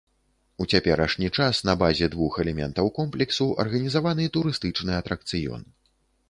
У цяперашні час на базе двух элементаў комплексу арганізаваны турыстычны атракцыён.